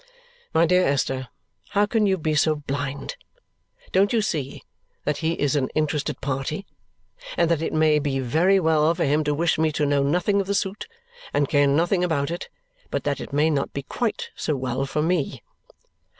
My dear Esther, how can you be so blind? Don't you see that he is an interested party and that it may be very well for him to wish me to know nothing of the suit, and care nothing about it, but that it may not be quite so well for me?"